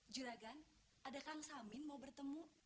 juragan adekang samin mau bertemu